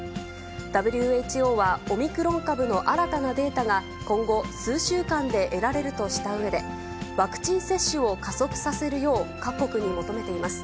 ＷＨＯはオミクロン株の新たなデータが、今後、数週間で得られるとしたうえで、ワクチン接種を加速させるよう、各国に求めています。